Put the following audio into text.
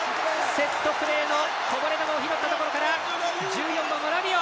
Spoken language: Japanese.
セットプレーのこぼれ球を拾ったところから１４番のラビオ！